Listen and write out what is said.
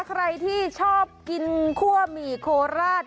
ใครที่ชอบกินคั่วหมี่โคราช